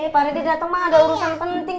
pak reddy datang mah ada urusan penting